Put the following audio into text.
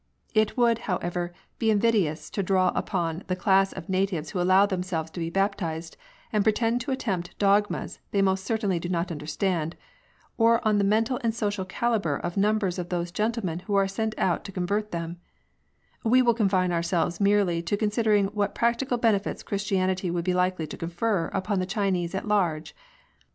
It would, however, be invidious to dwell upon the class of natives who allow themselves to be baptized and pretend to accept dogmas they most certainly do not understand, or on the mental and social calibre of numbers of those gentlemen who are sent out to con vert them ; we will confine ourselves merely to con sidering what practical benefits Christianity would be likely to confer upon the Chinese at large.